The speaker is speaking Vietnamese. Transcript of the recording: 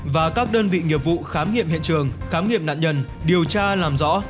và các đơn vị nghiệp vụ khám nghiệm hiện trường khám nghiệm nạn nhân điều tra làm rõ